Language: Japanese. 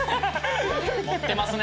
持ってますね